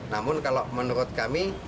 namun kalau menurut kami